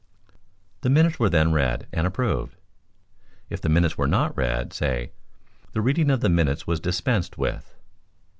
The minutes were then read and approved." If the minutes were not read, say "the reading of the minutes was dispensed with."